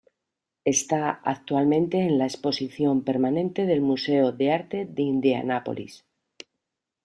Está actualmente en la exposición permanente del Museo de Arte de Indianapolis.